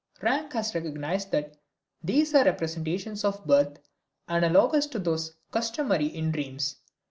Rank has recognized that these are representations of birth, analogous to those customary in dreams.